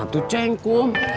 tuh ceng kum